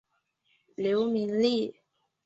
刘明利。